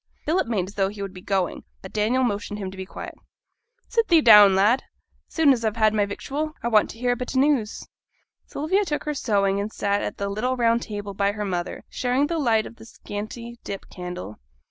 Philip made as though he would be going, but Daniel motioned to him to be quiet. 'Sit thee down, lad. As soon as I've had my victual, I want t' hear a bit o' news.' Sylvia took her sewing and sat at the little round table by her mother, sharing the light of the scanty dip candle.